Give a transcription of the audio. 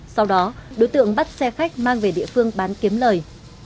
sau đó đối tượng bắt xe khách mang về địa phương bán kiếm lời